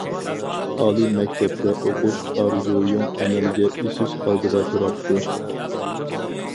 ئالىي مەكتەپتە ئوقۇش ئارزۇيۇڭ ئەمەلگە ئېشىش ئالدىدا تۇراتتى.